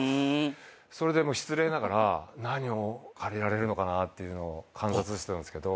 それで失礼ながら何を借りられるのかなっていうのを観察してたんですけど。